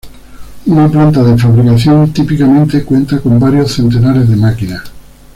Una planta de fabricación típicamente cuenta con varios centenares de máquinas.